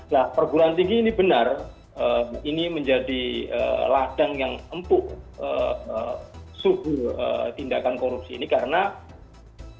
nah perguruan tinggi ini benar ini menjadi ladang yang empuk suhu tindakan korupsi ini karena memang kita sudah tahu bahwa